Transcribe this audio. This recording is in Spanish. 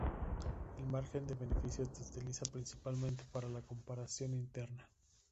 El margen de beneficio se utiliza principalmente para la comparación interna.